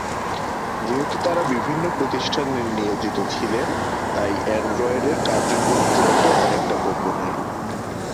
যেহেতু তারা বিভিন্ন প্রতিষ্ঠানে নিয়োজিত ছিলেন তাই অ্যান্ড্রয়েডের কার্যক্রম চলতো অনেকটা গোপনে।